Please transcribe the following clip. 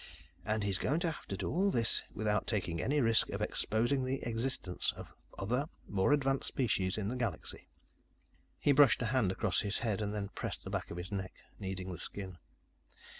"And he's going to have to do all this without taking any risk of exposing the existence of other, more advanced species in the galaxy." He brushed a hand across his head, then pressed the back of his neck, kneading the skin.